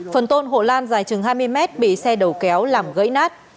phần tôn hộ lan dài chừng hai mươi mét bị xe đầu kéo làm gãy nát